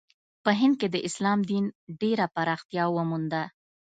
په هند کې د اسلام دین ډېره پراختیا ومونده.